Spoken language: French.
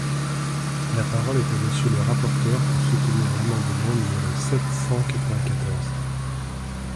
La parole est à Monsieur le rapporteur, pour soutenir l’amendement numéro sept cent quatre-vingt-quatorze.